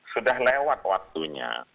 sudah lewat waktunya